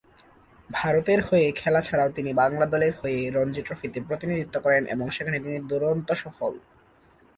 ভারতের হয়ে খেলা ছাড়াও তিনি বাংলা দলের হয়ে রঞ্জি ট্রফিতে প্রতিনিধিত্ব করেন এবং সেখানে তিনি দুরন্ত সফল।